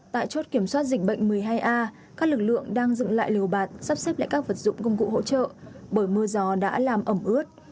tại chốt kiểm soát dịch bệnh một mươi hai a các lực lượng đang dựng lại liều bạt sắp xếp lại các vật dụng công cụ hỗ trợ bởi mưa gió đã làm ẩm ướt